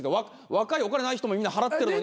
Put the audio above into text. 若いお金ない人もみんな払ってるのに。